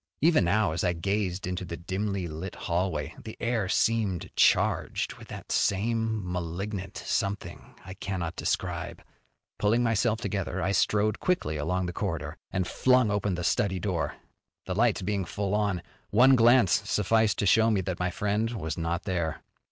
Even now, as I gazed into the dimly lighted hallway, the air seemed charged with that same malignant something I cannot describe. Pulling myself together I strode quickly along the corridor, and flung open the study door. The lights being full on, one glance sufficed to show me that my friend was not there.